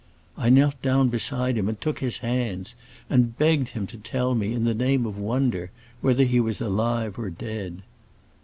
I knelt down beside him and took his hands, and begged him to tell me, in the name of wonder, whether he was alive or dead.